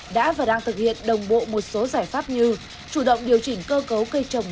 đã và đang thực hiện đồng bộ một số giải pháp như chủ động điều chỉnh cơ cấu cây trồng